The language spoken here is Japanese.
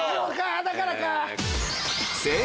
だからか！